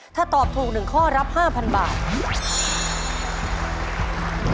ถ้าตอบถูก๑ข้อรับ๕๐๐บาท